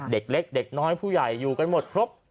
เด็กเล็กเด็กน้อยผู้ใหญ่อยู่กันหมดครบ